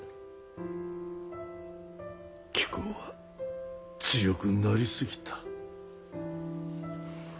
貴公は強くなり過ぎた。